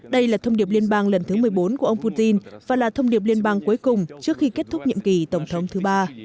đây là thông điệp liên bang lần thứ một mươi bốn của ông putin và là thông điệp liên bang cuối cùng trước khi kết thúc nhiệm kỳ tổng thống thứ ba